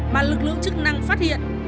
mà lực lượng chức năng phát hiện